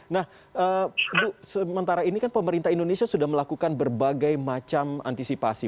nah bu sementara ini kan pemerintah indonesia sudah melakukan berbagai macam antisipasi